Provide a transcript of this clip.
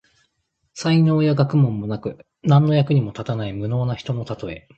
才能や学問もなく、何の役にも立たない無能な人のたとえ。